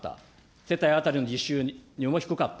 世帯当たりの実収入も低かった。